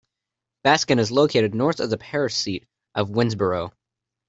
Baskin is located north of the parish seat of Winnsboro.